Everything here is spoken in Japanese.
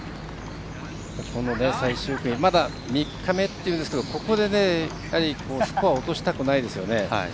最終組まだ３日目ですけどここでスコアを落としたくないですよね。